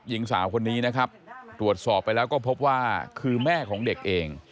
หญิงสาวคนนี้นะครับตรวจสอบไปแล้วก็พบว่าคือแม่ของเด็กเอง